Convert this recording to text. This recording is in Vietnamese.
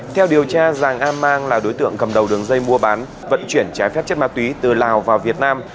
theo điều tra giàng a mang là đối tượng cầm đầu đường dây mua bán vận chuyển trái phép chất ma túy từ lào vào việt nam